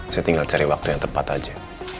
saya tinggal cari waktu yang tepat aja